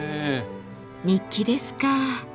日記ですか。